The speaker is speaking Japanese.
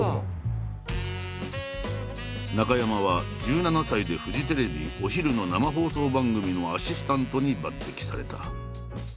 中山は１７歳でフジテレビお昼の生放送番組のアシスタントに抜てきされた。